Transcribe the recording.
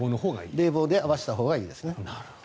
冷房で合わせたほうがいいですね。